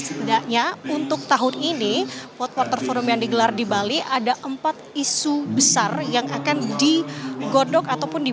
setidaknya untuk tahun ini pot porter forum yang digelar di bali ada empat isu besar yang akan digodok ataupun di